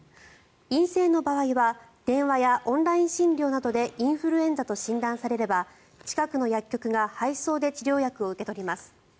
陰性の場合は電話やオンライン診療などでインフルエンザと診断されれば近くの薬局が配送で治療薬を受け取ります。